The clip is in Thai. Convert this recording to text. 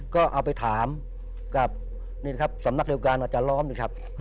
ก็เอาไปถามกับนี่นะครับสำนักเดียวกันอาจารย์ล้อมนะครับ